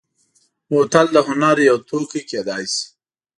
بوتل د هنر یو توکی کېدای شي.